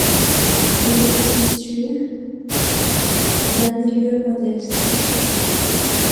Il est issu d'un milieu modeste.